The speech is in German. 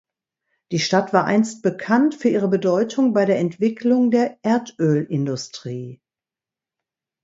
Die Stadt war einst bekannt für ihre Bedeutung bei der Entwicklung der Erdölindustrie.